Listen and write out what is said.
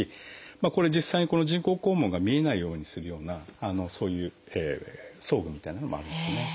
これ実際に人工肛門が見えないようにするようなそういう装具みたいなのもあるんですね。